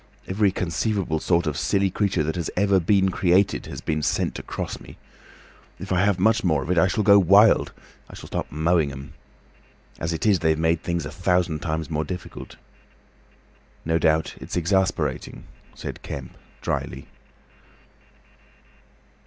... Every conceivable sort of silly creature that has ever been created has been sent to cross me. "If I have much more of it, I shall go wild—I shall start mowing 'em. "As it is, they've made things a thousand times more difficult." "No doubt it's exasperating," said Kemp, drily.